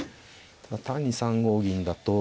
単に３五銀だと。